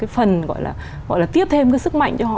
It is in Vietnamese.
phần gọi là tiếp thêm cái sức mạnh cho họ